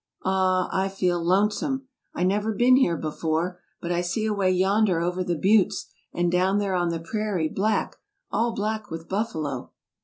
" "Ah, I feel lonesome; I never been here before; but I see away yonder over the buttes, and down there on the prairie, black — all black with buffalo!"